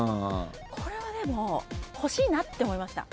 これはでも欲しいなって思いました。